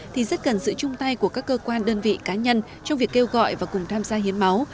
thì rất cần sự chung tay của các cơ quan đơn vị cá nhân trong việc kêu gọi và cùng tham gia hiến máu